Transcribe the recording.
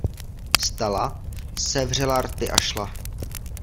Vstala, sevřela rty a šla.